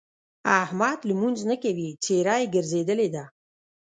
احمد لمونځ نه کوي؛ څېره يې ګرځېدلې ده.